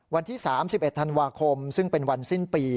วันที่๓๑ธันวาคมซึ่งเป็นวันสิ้นปี